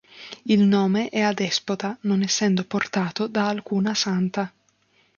Il nome è adespota, non essendo portato da alcuna santa.